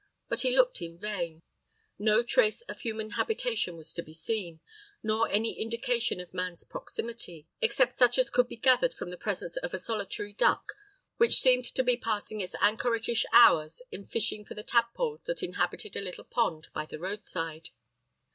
But he looked in vain; no trace of human habitation was to be seen, nor any indication of man's proximity, except such as could be gathered from the presence of a solitary duck, which seemed to be passing its anchoritish hours in fishing for the tadpoles that inhabited a little pond by the road side.